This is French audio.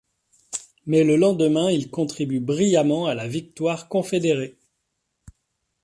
Mais le lendemain, il contribue brillamment à la victoire confédérée.